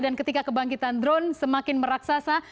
dan ketika kebangkitan drone semakin meraksasa